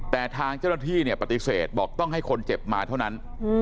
แต่ทางเจ้าหน้าที่เนี่ยปฏิเสธบอกต้องให้คนเจ็บมาเท่านั้น